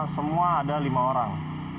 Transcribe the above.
semua ada lima orang